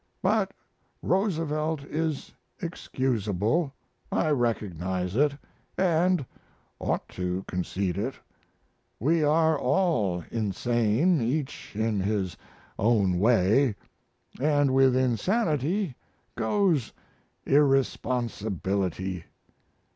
But Roosevelt is excusable I recognize it & (ought to) concede it. We are all insane, each in his own way, & with insanity goes irresponsibility.